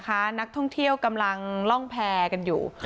นักล่อที่ท่องเที่ยวกำลังล่องแพวกันอยู่